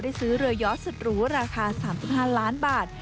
ซื้อเรือย้อสุดหรูราคา๓๕ล้านบาท